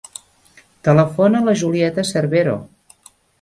Telefona a la Julieta Cervero.